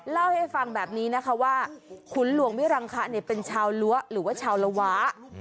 เล่าให้ฟังแบบนี้นะคะว่าขุนหลวงมิรังคะเป็นชาวลั้วหรือว่าชาวละว้า